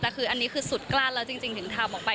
แต่คืออันนี้คือสุดกลั้นแล้วจริงถึงทำออกไป